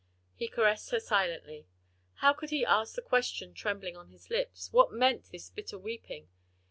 He caressed her silently. How could he ask the question trembling on his lips? what meant this bitter weeping?